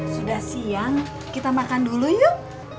sudah siang kita makan dulu yuk